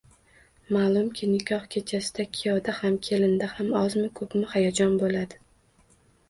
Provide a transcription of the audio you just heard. Ma’lumki, nikoh kechasida kuyovda ham, kelinda ham ozmi-ko‘pmi hayajon bo‘ladi.